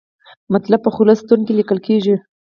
مطلب په خلص ستون کې لیکل کیږي.